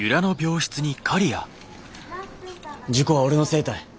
事故は俺のせいたい。